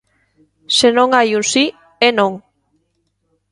"Se non hai un si, é non".